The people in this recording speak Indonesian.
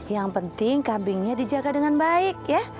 yang penting kambingnya dijaga dengan baik ya